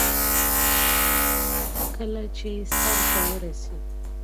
دا زموږ د ژغورنې وروستی چانس دی.